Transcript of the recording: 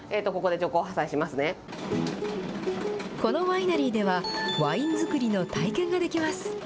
このワイナリーでは、ワイン造りの体験ができます。